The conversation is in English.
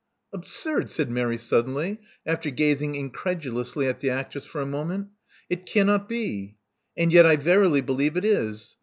Absurd!" said Mary suddenly, after gazing incredulously at the actress for a moment. It cannot be. And yet I verily believe it is.